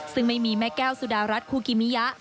ซึ่งไม่มีแม่แก้วสุดารัฐคูกิมิยะ